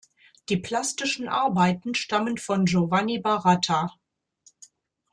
Die plastischen Arbeiten stammen von Giovanni Baratta.